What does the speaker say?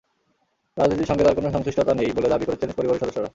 রাজনীতির সঙ্গে তাঁর কোনো সংশ্লিষ্টতা নেই বলে দাবি করেছেন পরিবারের সদস্যরা।